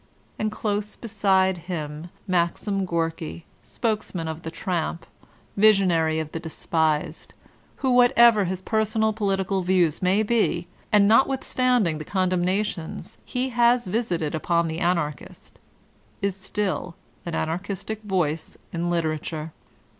And close beside him, Maxim Gorki, Spokesman of the Tramp, Visionary of the Despised, who whatever his personal political views may be, and notwithstanding the condemnations he has visited upon the Anarchist, is still an Anarchistic voice in literature.